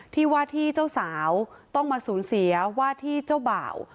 ที่ว่าที่เจ้าสาวต้องมาสูญเสียว่าที่เจ้าบ่าว